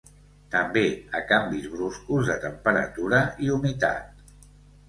També a canvis bruscos de temperatura i humitat.